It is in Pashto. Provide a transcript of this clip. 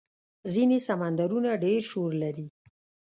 ځینې سمندرونه ډېر شور لري.